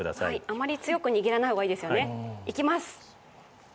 あまり強く握らない方がいいですよね、いきます。